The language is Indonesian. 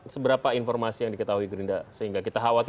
seberapa informasi yang diketahui gerindra sehingga kita khawatir